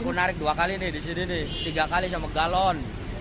aku narik dua kali nih di sini tiga kali sama galon